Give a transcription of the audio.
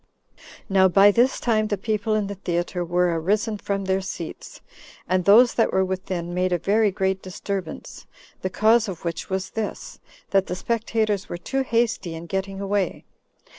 20. Now by this time the people in the theatre were arisen from their seats, and those that were within made a very great disturbance; the cause of which was this, that the spectators were too hasty in getting away.